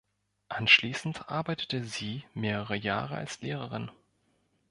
Anschließend arbeitete sie mehrere Jahre als Lehrerin.